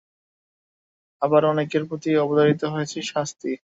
আবার অনেকের প্রতি অবধারিত হয়েছে শাস্তি।